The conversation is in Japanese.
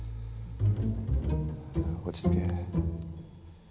落ち着け。